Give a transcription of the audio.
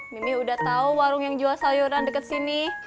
mimi udah tau warung yang jual sayuran deket sini